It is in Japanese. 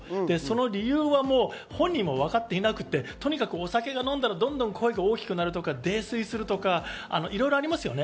理由は本人も分かっていなくて、とにかくお酒を飲んだら声が大きくなるとか泥酔するとか、いろいろありますよね。